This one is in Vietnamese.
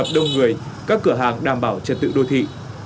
đông người các cửa hàng đảm bảo trật tự đô thị